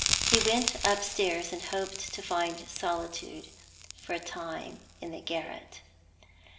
He went upstairs and hoped to find solitude for a time in the garret.